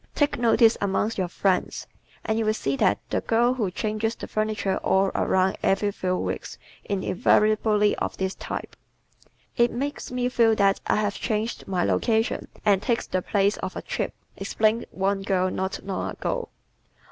Take notice amongst your friends and you will see that the girl who changes the furniture all around every few weeks is invariably of this type. "It makes me feel that I have changed my location and takes the place of a trip," explained one girl not long ago.